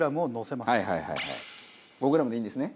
５グラムでいいんですね？